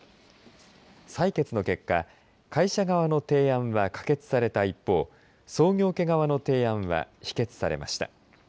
採決の結果会社側の提案は可決された一方創業家側の提案は否決されました。